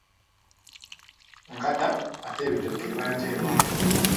Nkata ate ebitooke eba ntembo.